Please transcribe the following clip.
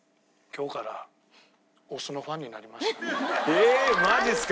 えマジっすか？